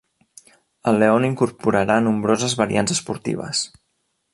El León incorporà nombroses variants esportives.